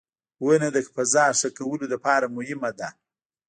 • ونه د فضا ښه کولو لپاره مهمه ده.